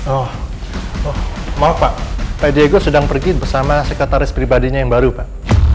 oh maaf pak pak diego sedang pergi bersama sekretaris pribadinya yang baru pak